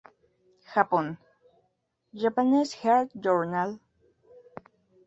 Japón: "Japanese Heart Journal".